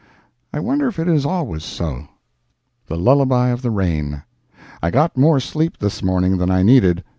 I wonder if it is always so? The LULLABY OF THE RAIN I got more sleep this morning than I needed.